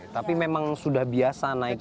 tapi memang sudah biasa naik kapal itu